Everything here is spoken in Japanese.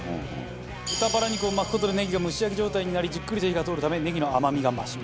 豚バラ肉を巻く事でネギが蒸し焼き状態になりじっくりと火が通るためネギの甘みが増します。